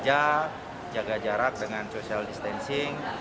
jaga jarak dengan social distancing